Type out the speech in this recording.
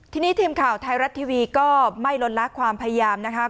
ทีนี้ทีมข่าวไทยรัฐทีวีก็ไม่ลดละความพยายามนะคะ